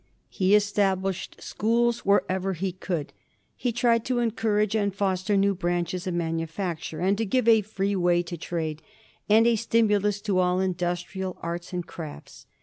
He established schools wher ever he could. He tried to encourage and foster new branches of manufacture, and to give a free way to trade, and a stimulus to all industrial arts and crafts.